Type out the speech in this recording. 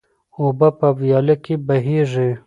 اوبه په ویاله کې بهیږي.